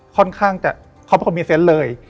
เขาเป็นคนมีเซ็นต์เลย